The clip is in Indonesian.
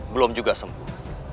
belum juga sembuh